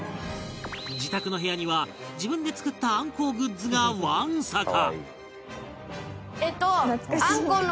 自宅の部屋には自分で作ったアンコウグッズがわんさか！